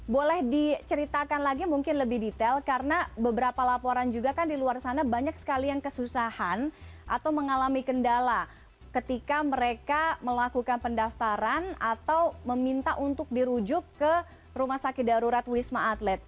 boleh diceritakan lagi mungkin lebih detail karena beberapa laporan juga kan di luar sana banyak sekali yang kesusahan atau mengalami kendala ketika mereka melakukan pendaftaran atau meminta untuk dirujuk ke rumah sakit darurat wisma atlet